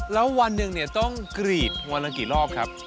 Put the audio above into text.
แล้ววันหนึ่งเนี่ยต้องกรีดวันละกี่รอบครับ